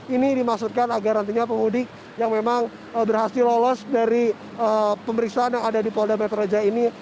ini dimaksudkan agar nantinya pemudik yang memang berhasil lolos dari pemeriksaan yang ada di polda metro jaya ini